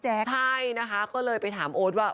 เออไม่รู้ใช่นะคะก็เลยไปถามโอ๊ดว่า